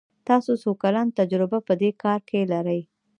تاسو څو کلن تجربه په دي کار کې لری ؟